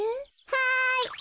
はい。